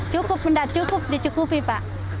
cukup tidak cukup dicukupi pak